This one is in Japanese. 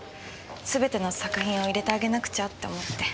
すべての作品を入れてあげなくちゃって思って。